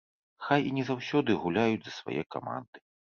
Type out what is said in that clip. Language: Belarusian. Хай і не заўсёды гуляюць за свае каманды.